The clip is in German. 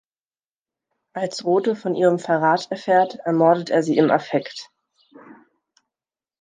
Als Rothe von ihrem Verrat erfährt, ermordet er sie im Affekt.